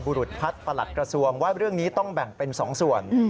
บุรุษพัฒน์ประหลัดกระทรวงว่าเรื่องนี้ต้องแบ่งเป็น๒ส่วน